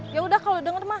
ya udah kalau denger mah